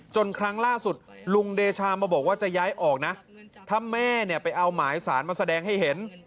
ครั้งล่าสุดลุงเดชามาบอกว่าจะย้ายออกนะถ้าแม่เนี่ยไปเอาหมายสารมาแสดงให้เห็น